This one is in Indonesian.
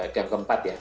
yang keempat ya